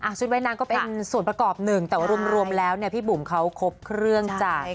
ชุดว่ายน้ำก็เป็นส่วนประกอบหนึ่งแต่ว่ารวมแล้วเนี่ยพี่บุ๋มเขาครบเครื่องจาก